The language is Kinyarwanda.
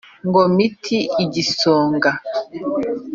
ngo wmite igisonga